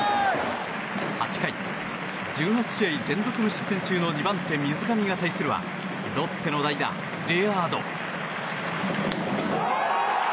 ８回、１８試合連続無失点中の２番手、水上が対するはロッテの代打、レアード。